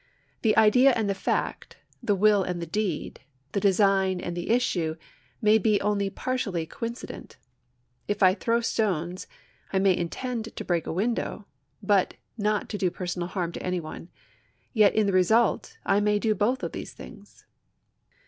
The idea and the fact, the will and the deed, the design and the issue, may be only partially coincident. If I throw stones, I may intend to break a window but not to do personal harm to any one ; yet in the result I may do both of these things.